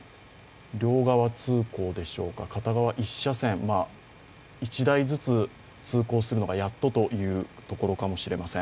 両側通行でしょうか、片側１車線、１台ずつ通行するのがやっとというところかもしれません。